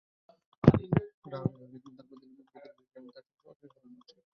গ্রাহকেরা প্রতিদিন তাঁর বাড়িতে ভিড় করছেন এবং তাঁর সঙ্গে অসদাচরণ করছেন।